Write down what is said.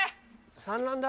産卵だ。